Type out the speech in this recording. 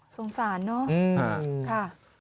สงสารเนอะ